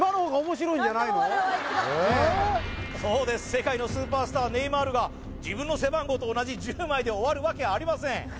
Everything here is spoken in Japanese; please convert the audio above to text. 世界のスーパースターネイマールが自分の背番号と同じ１０枚で終わるわけありません